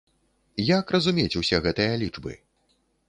Як разумець усе гэтыя лічбы?